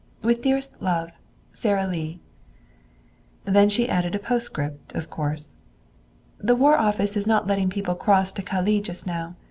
With dearest love. "SARA LEE" Then she added a postscript, of course. "The War Office is not letting people cross to Calais just now.